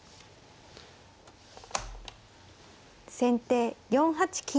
先手４八金。